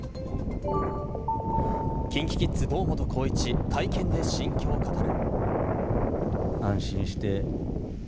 ＫｉｎＫｉＫｉｄｓの堂本光一、会見で心境を語る。